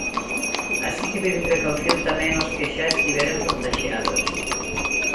Así que piden precaución tamén aos que xa estiveron contaxiados.